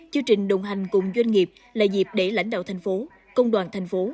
chương trình đồng hành cùng doanh nghiệp là dịp để lãnh đạo thành phố công đoàn thành phố